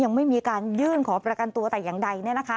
ยังไม่มีการยื่นขอประกันตัวแต่อย่างใด